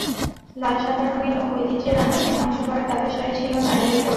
লাল-সাদা রঙে, লোক-ঐতিহ্যের আঙ্গিকের নকশা করা তাঁতের শাড়ি ছিল নারীদের পরনে।